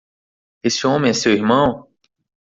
Esse homem é seu irmão?